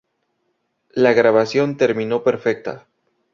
La grabación terminó perfecta.".